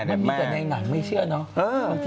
มีแต่ในหนังไม่เชื่อนอ้ะ